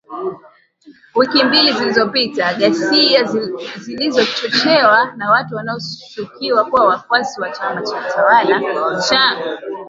Wiki mbili zilizopita, ghasia zilizochochewa na watu wanaoshukiwa kuwa wafuasi wa chama tawala cha